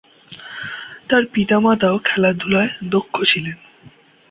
তার পিতা-মাতাও খেলাধূলায় দক্ষ ছিলেন।